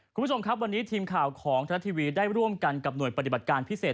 คุณผู้ชมครับวันนี้ทีมข่าวของทรัฐทีวีได้ร่วมกันกับหน่วยปฏิบัติการพิเศษ